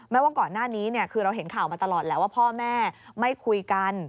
ว่าก่อนหน้านี้คือเราเห็นข่าวมาตลอดแหละว่าพ่อแม่ไม่คุยกัน